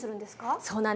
そうなんです。